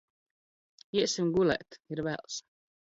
Iesim gulēt, ir vēls!